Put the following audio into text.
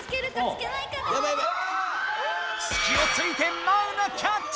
すきをついてマウナキャッチ！